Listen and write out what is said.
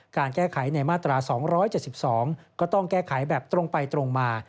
การแก้ไขในมาตรา๒๗๒ก็ต้องแก้ไขแบบตรงไปตรงมา